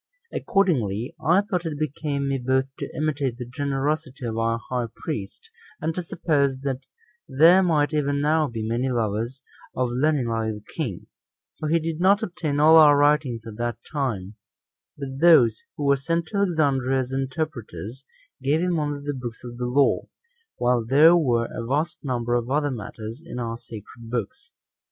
Accordingly, I thought it became me both to imitate the generosity of our high priest, and to suppose there might even now be many lovers of learning like the king; for he did not obtain all our writings at that time; but those who were sent to Alexandria as interpreters, gave him only the books of the law, while there were a vast number of other matters in our sacred books.